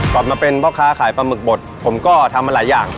มาเป็นพ่อค้าขายปลาหมึกบดผมก็ทำมาหลายอย่าง